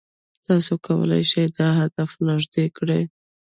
تاسو کولای شئ دا هدف نږدې کړئ.